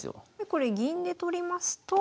これ銀で取りますと。